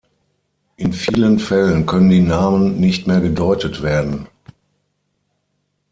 In vielen Fällen können die Namen nicht mehr gedeutet werden.